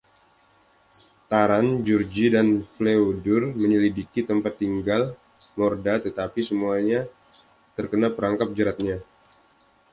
Taran, Gurgi dan Fflewddur menyelidiki tempat tinggal Morda, tetapi semuanya terkena perangkap jeratnya.